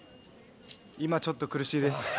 今ちょっと苦しいです。